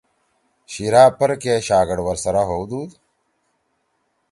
شیِرا پرکے شاگڑ ورسرا ہؤدُود